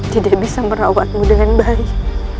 tidak bisa merawatmu dengan baik